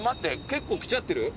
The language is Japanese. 結構来ちゃってる？